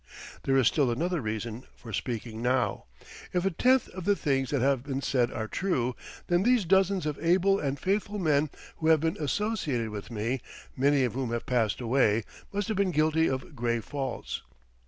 There is still another reason for speaking now: If a tenth of the things that have been said are true, then these dozens of able and faithful men who have been associated with me, many of whom have passed away, must have been guilty of grave faults.